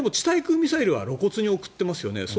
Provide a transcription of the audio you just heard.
対空ミサイルは露骨に送ってますよね。